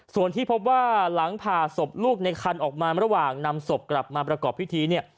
ส่วนที่พบว่าหลังผ่าศพลูกในคันออกมาระหว่างนำศพกลับมาประกอบพิธีเนี่ย